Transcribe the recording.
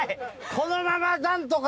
このまま何とか。